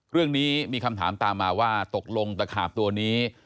เรื่องนี้มีคำถามตามมาว่าตกลงตะขาบตัวนี้